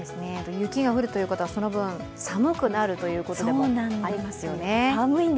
雪が降るということは、その分、寒くなるということですね。